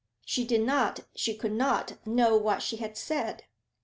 She did not, she could not, know what she had said!